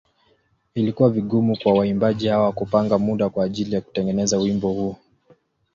Ilikuwa vigumu kwa waimbaji hawa kupanga muda kwa ajili ya kutengeneza wimbo huu.